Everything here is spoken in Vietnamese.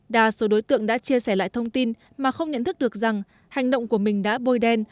đa số đối tượng đã chia sẻ lại thông tin mà không nhận thức được rằng hành động của mình đã bôi đen